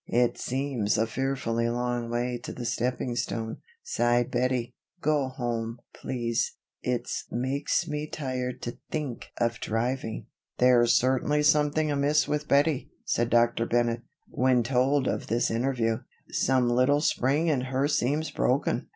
"It seems a fearfully long way to the stepping stone," sighed Bettie. "Go home, please. It's makes me tired to think of driving." "There's certainly something amiss with Bettie," said Dr. Bennett, when told of this interview. "Some little spring in her seems broken.